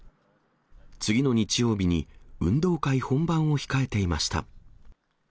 次の日曜日に運動会本番を控えていました。